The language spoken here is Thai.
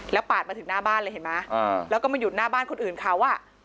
แล้วปาดมาถึงหน้าบ้านเลยเห็นไหมแล้วก็มาหยุดหน้าบ้านคนอื่นเขาอ่ะ